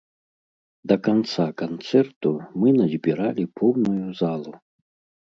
Да канца канцэрту мы назбіралі поўную залу!